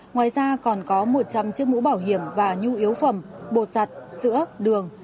ngoài ra còn có một trăm linh chiếc mũ bảo hiểm và nhu yếu phẩm bột giặt sữa đường